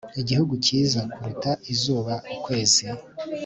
Igihugu cyiza kuruta izuba Ukwezi